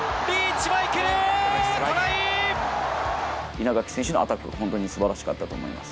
稲垣選手のアタック、本当にすばらしかったと思います。